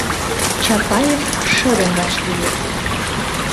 — Чапаев шыдын вашлие.